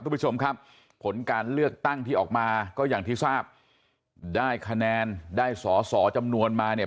คุณผู้ชมครับผลการเลือกตั้งที่ออกมาก็อย่างที่ทราบได้คะแนนได้สอสอจำนวนมาเนี่ย